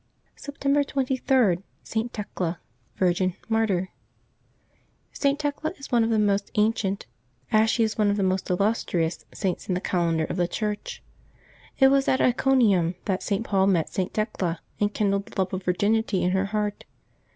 September 23.— ST. THECLA, Virgin, Martyr. [t. Thecla is one of the most ancient, as she is one of the most illustrious, Saints in the calendar of the Church. It was at Iconium that St. Paul met St. Thecla, and kindled the love of virginity in her heart.